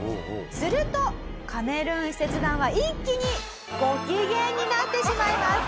するとカメルーン視察団は一気にご機嫌になってしまいます。